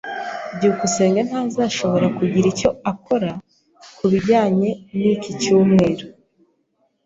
byukusenge ntazashobora kugira icyo akora kubijyanye niki cyumweru.